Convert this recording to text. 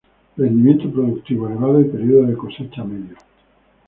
Rendimiento productivo elevado y periodo de cosecha medio.